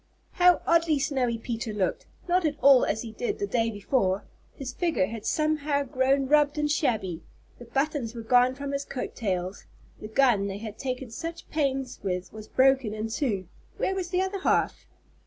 How oddly Snowy Peter looked, not at all as he did the day before. His figure had somehow grown rubbed and shabby. The buttons were gone from his coat tails. The gun they had taken such pains with was broken in two. _Where was the other half?